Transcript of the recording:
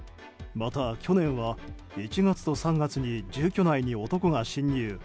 また、去年は１月と３月に住居内に男が侵入。